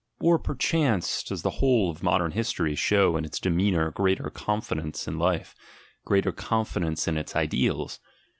Or, perchance, does the whole of modern history show ASCETIC IDEALS 171 1 its demeanour greater confidence in life, greater con dence in its ideals?